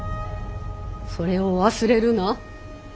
それを忘れるな。